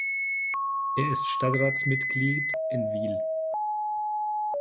Er ist Stadtratsmitglied in Wiehl.